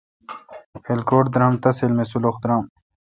کلھکوٹ درآم تحصیل می سولح درام۔